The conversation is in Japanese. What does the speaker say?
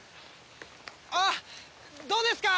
あっどうですか？